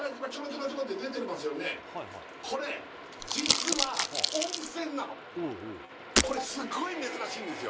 これ実は温泉なのこれすごい珍しいんですよ